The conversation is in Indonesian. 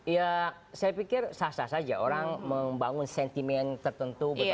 ya saya pikir sah sah saja orang membangun sentimen tertentu